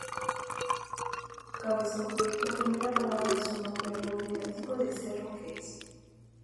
Cabezo, la primera palabra de su nombre alude al tipo de cerro que es.